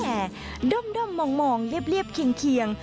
แต่ด้อมมองเรียบเคียง